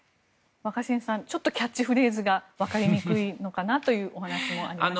若新さんちょっとキャッチフレーズが分かりにくいのかなというお話もありました。